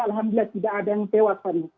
alhamdulillah tidak ada yang tewas fani